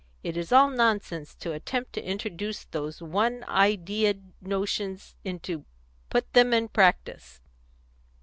It is all nonsense to attempt to introduce those one ideaed notions into put them in practice."